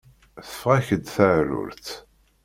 Teffeɣ-ak-d teεrurt.